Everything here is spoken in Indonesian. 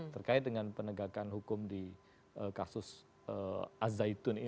terkait dengan penegakan hukum di kasus al zaitun ini